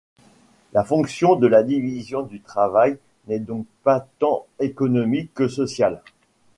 La fonction de la division du travail n’est donc pas tant économique que sociale.